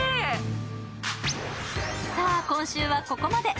今週はここまで。